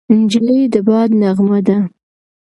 نجلۍ د باد نغمه ده.